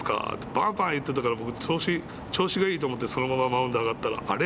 バンバンいってたから調子がいいと思ってそのままマウンドへ上がったらあれ